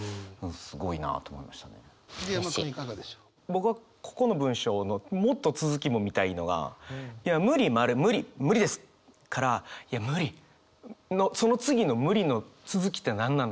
僕はここの文章のもっと続きも見たいのがいや「無理。」無理無理ですからいや「無理！」のその次の無理の続きって何なんだろうって。